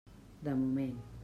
De moment.